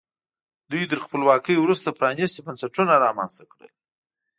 دوی تر خپلواکۍ وروسته پرانیستي بنسټونه رامنځته کړل.